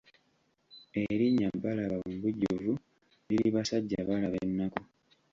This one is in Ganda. Erinnya Balaba mu bujjuvu liri Basajjabalaba ennaku.